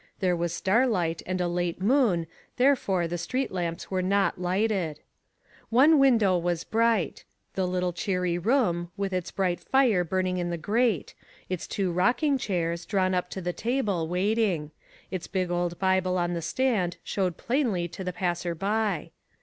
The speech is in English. There was starlight, and a late moon, therefore the street lamps were not lighted. One window was bright. The little cheery room, with its bright fire burning in the grate ; its two rocking chairs, drawn up to A NIGHT TO REMEMBER. 505 the table, waiting ; its big old Bible on the stand showed plainly to the passer by.